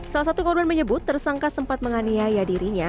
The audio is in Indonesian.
salah satu korban menyebut tersangka sempat menganiaya dirinya